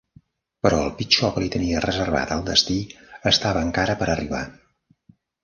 Però el pitjor que li tenia reservat el destí estava encara per arribar.